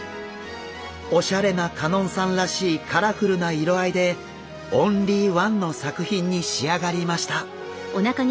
オシャレな香音さんらしいカラフルな色合いでオンリーワンの作品に仕上がりました。